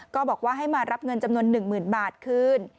ก็บอกว่าให้มารับเงินจำนวน๑๐๐๐บาทคืน